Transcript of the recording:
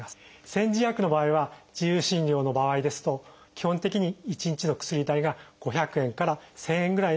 煎じ薬の場合は自由診療の場合ですと基本的に１日の薬代が５００円から１，０００円ぐらいの幅があります。